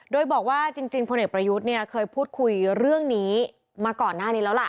โดยบอกว่าจริงพลเอกประยุทธ์เนี่ยเคยพูดคุยเรื่องนี้มาก่อนหน้านี้แล้วล่ะ